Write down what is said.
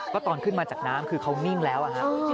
ก็ตอนขึ้นมาจากน้ำคือเขานิ่งแล้ว